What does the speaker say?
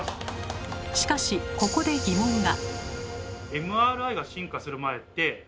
しかしここで疑問が。